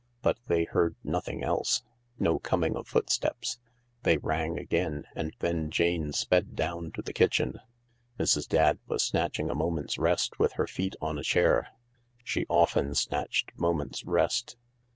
But they heard nothing else. No coming of footsteps. They rang again, and then Jane sped down to the kitchen. Mrs. Dadd was snatching a moment's rest with her feet on a chair. She often snatched moments' rest.